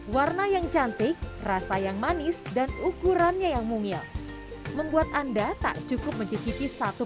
warna yang cantik rasa yang manis dan ukurannya yang mungil membuat anda tak cukup mencicipi satu